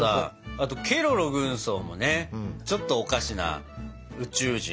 あとケロロ軍曹もねちょっとおかしな宇宙人。